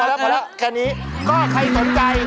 แล้วพอแล้วแค่นี้ก็ใครสนใจ